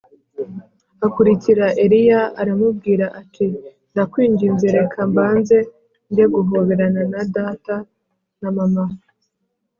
akurikira Eliya aramubwira ati “Ndakwinginze reka mbanze njye guhoberana na data na mama